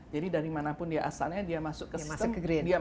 jadi dari mana pun dia asalnya dia masuk ke sistem